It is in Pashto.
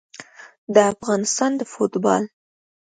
د افغانستان د فوټبال